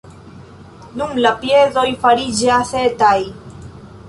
Nun la piedoj fariĝas etaj.